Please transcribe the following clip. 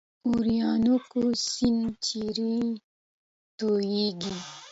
اورینوکو سیند چیرې تویږي؟